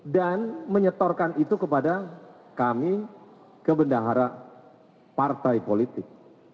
menyetorkan itu kepada kami ke bendahara partai politik